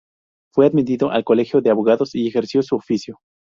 Fue admitido al Colegio de Abogados y ejerció su oficio.